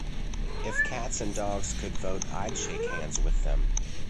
If cats and dogs could vote I'd shake hands with them.